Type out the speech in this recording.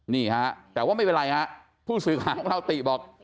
นี่ฮะแต่ว่าไม่เป็นไรฮะผู้สื่อข่าวของเราติบอก